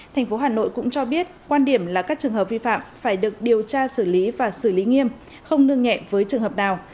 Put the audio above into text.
thành phố hà nội cũng cho biết quan điểm là các trường hợp vi phạm phải được điều tra xử lý và xử lý nghiêm không nương nhẹ với trường hợp nào